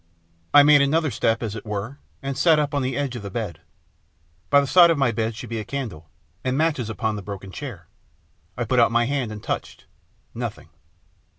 I made another step, as it were, and sat up on the edge of the bed. By the side of my bed should be the candle, and the matches upon the broken chair. I put out my hand and touched nothing.